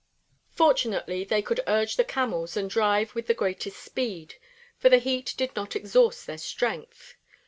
Fortunately they could urge the camels and drive with the greatest speed, for the heat did not exhaust their strength.